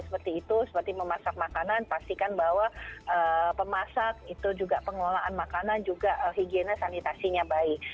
seperti itu seperti memasak makanan pastikan bahwa pemasak itu juga pengelolaan makanan juga higiene sanitasinya baik